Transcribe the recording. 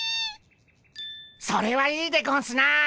それはいいでゴンスな！